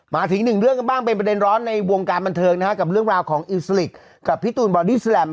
มาถึงหนึ่งเรื่องกันบ้างเป็นประเด็นร้อนในวงการบันเทิงนะฮะกับเรื่องราวของอิลสลิกกับพี่ตูนบอดี้แลม